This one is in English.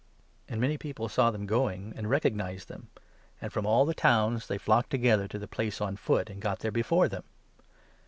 And many 33 people saw them going, and recognised them, and from all the towns they flocked together to the place on foot, and got there before them.